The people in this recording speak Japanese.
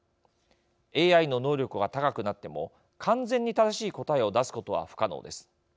ＡＩの能力が高くなっても完全に正しい答えを出すことは不可能です。